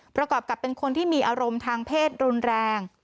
ประกอบกับเป็นคนที่มีอารมณ์ทางเพศรุนแรง